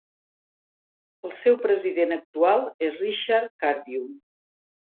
El seu president actual és Richard Cardew.